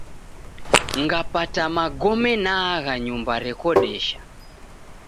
Ngapata magome naagha nyumba rekodesha.